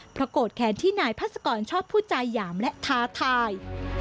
โกรธแค้นที่นายพัศกรชอบพูดจาหยามและท้าทาย